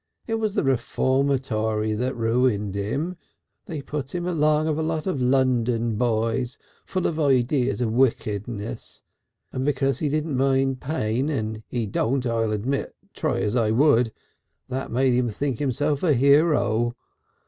It was that reformatory ruined him. They put him along of a lot of London boys full of ideas of wickedness, and because he didn't mind pain and he don't, I will admit, try as I would they made him think himself a hero.